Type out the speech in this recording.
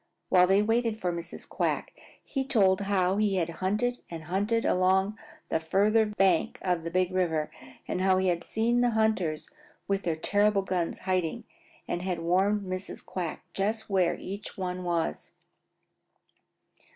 While they waited for Mrs. Quack he told how he had hunted and hunted along the farther bank of the Big River and how he had seen the hunters with their terrible guns hiding and had warned Mrs. Quack just where each one was.